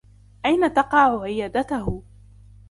أين تقع عيادته ؟